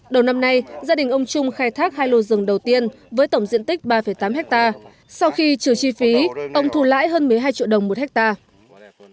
đầu năm nay gia đình ông trung khai thác hai lô rừng đầu tiên với tổng diện tích ba tám hectare sau khi trừ chi phí ông thu lãi hơn một mươi hai triệu đồng một hectare